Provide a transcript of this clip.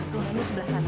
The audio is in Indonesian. tuh ini sebelah sana